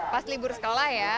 pas libur sekolah ya